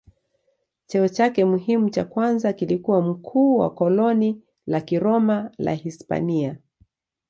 Cheo chake muhimu cha kwanza kilikuwa mkuu wa koloni la Kiroma la Hispania.